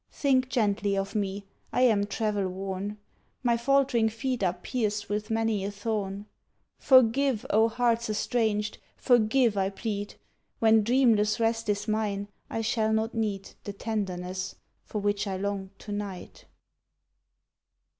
Think gently of me; I am travel worn; My faltering feet are pierced with many a thorn. Forgive, oh, hearts estranged, forgive, I plead! When dreamless rest is mine I shall not need The tenderness for which I long to night.